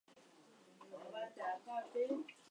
Bo ke yeme,